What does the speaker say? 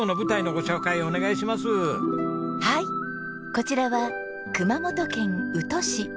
こちらは熊本県宇土市。